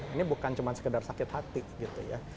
ini bukan cuma sekedar sakit hati gitu ya